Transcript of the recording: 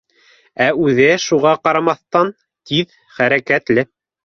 Ә үҙе, шуға ҡарамаҫтан, тиҙ хәрәкәтле